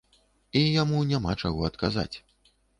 І яму няма чаго адказаць.